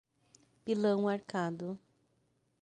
Pilão Arcado